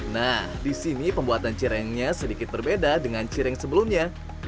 nah di sini pembuatan cirengnya sedikit berbeda dengan cireng sebelumnya